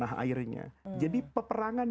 tanah airnya jadi peperangan